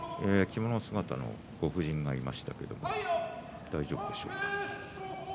着物姿のご婦人がいましたが、大丈夫でしょうか。